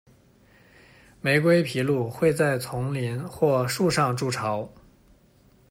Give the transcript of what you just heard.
玫瑰琵鹭会在丛林或树上筑巢。